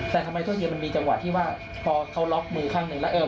แต่ทำไมต้นเทียนมันมีจังหวะที่ว่าพอเขาล็อกมือข้างหนึ่งแล้วเออ